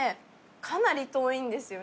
かなり遠いんですよね。